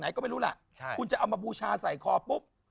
ก็ไม่รู้ล่ะคุณจะเอามาบูชาใส่คอปุ๊บ